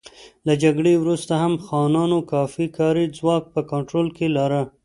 له جګړې وروسته هم خانانو کافي کاري ځواک په کنټرول کې لاره.